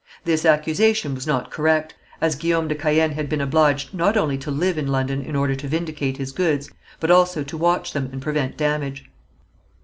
This accusation was not correct, as Guillaume de Caën had been obliged not only to live in London in order to vindicate his goods, but also to watch them and prevent damage.